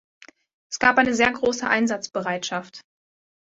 Es gab eine sehr große Einsatzbereitschaft.